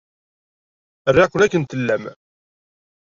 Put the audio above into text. Riɣ-ken akken tellam.